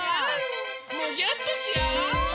むぎゅーってしよう！